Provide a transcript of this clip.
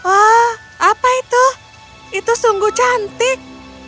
oh apa itu itu sungguh cantik